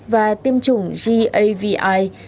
và tiêm chủng gavi